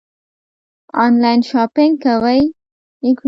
آنلاین شاپنګ کوئ؟